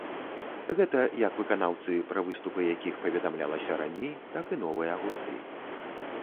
Гэта як выканаўцы, пра выступы якіх паведамлялася раней, так і новыя гурты.